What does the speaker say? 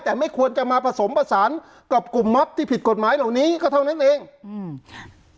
แต่ไม่ควรจะมาผสมผสานกับกลุ่มมอบที่ผิดกฎหมายเหล่านี้ก็เท่านั้นเองอืม